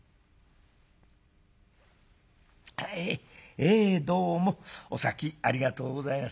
「ええどうもお先ありがとうございます。